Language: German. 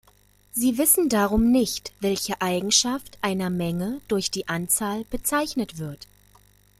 Sie wissen darum nicht, welche Eigenschaft einer Menge durch die Anzahl bezeichnet wird.